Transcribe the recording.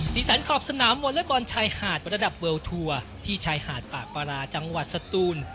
สีสันขอบสนามวัลเลฟอร์ลบอลชายหาดวัฒนธรรมที่ชายหาดป่าปราจังหวัดสตูน